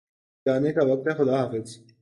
جانے کا وقت ہےخدا حافظ